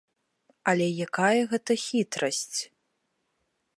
Але якая гэта хітрасць?